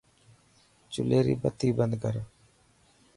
چلي ري بتي بند ڪر.